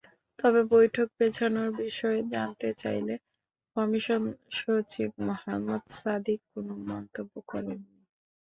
তবে বৈঠক পেছানোর বিষয়ে জানতে চাইলে কমিশন সচিব মোহাম্মদ সাদিক কোনো মন্তব্য করেননি।